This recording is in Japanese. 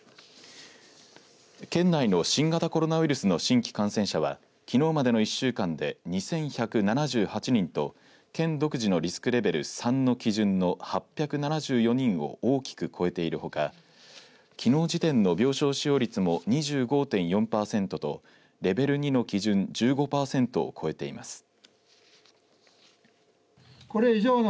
県内の新型コロナウイルスの新規感染者はきのうまでの１週間で２１７８人と県独自のリスクレベル３の基準の８７４人を大きく超えているほかきのう時点の病床使用率も２５．４パーセントとレベル２の基準１５パーセントを超えています。